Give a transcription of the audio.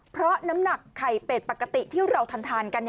เพราะน้ำหนักไข่เป็ดปกติที่เราทานกัน